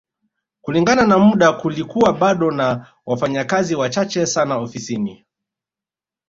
Kulingana na muda kulikuwa bado na wafanyakazi wachache sana ofisini